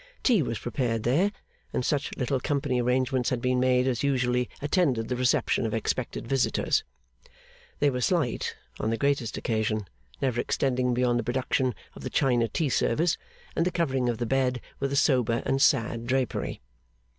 Tea was prepared there, and such little company arrangements had been made as usually attended the reception of expected visitors. They were slight on the greatest occasion, never extending beyond the production of the China tea service, and the covering of the bed with a sober and sad drapery.